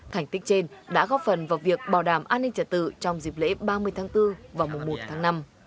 thành tích trên đã góp phần vào việc bảo đảm an ninh trả tự trong dịp lễ ba mươi tháng bốn và mùa một tháng năm